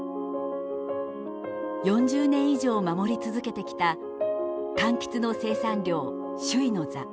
４０年以上守り続けてきたかんきつの生産量首位の座。